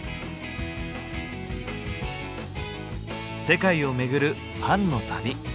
世界を巡るパンの旅。